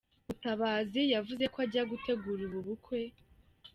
Mutabazi yavuze ko ajya gutegura ubu bukwe